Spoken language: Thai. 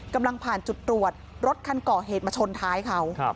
กำลังผ่านจุดตรวจรถคันก่อเหตุมาชนท้ายเขา